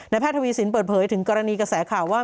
แพทย์ทวีสินเปิดเผยถึงกรณีกระแสข่าวว่า